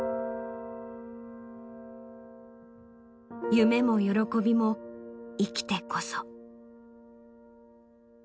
夢も喜びも生きてこそ。